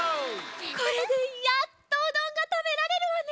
これでやっとうどんがたべられるわね！